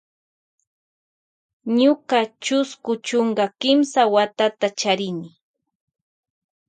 Ñuka charini chusku chunka kimsa watata.